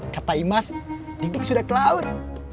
kata imas dik dik sudah ke laut